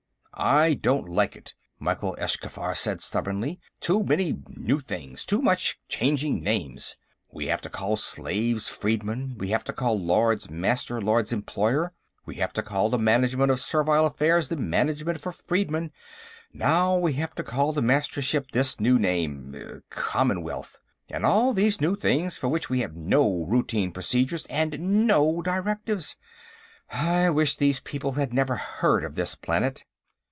"I don't like it!" Mykhyl Eschkhaffar said stubbornly. "Too many new things, and too much changing names. We have to call slaves freedmen; we have to call Lords Master Lords Employer; we have to call the Management of Servile Affairs the Management for Freedmen. Now we have to call the Mastership this new name, Commonwealth. And all these new things, for which we have no routine procedures and no directives. I wish these people had never heard of this planet."